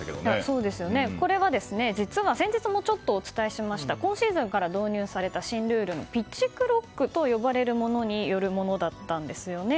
実はこれは先日もちょっとお伝えしました今シーズンから導入された新ルールのピッチクロックと呼ばれるものによるものだったんですね。